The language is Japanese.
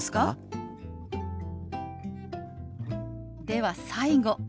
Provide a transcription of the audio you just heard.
では最後。